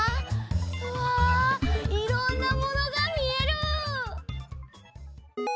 うわいろんなものがみえる！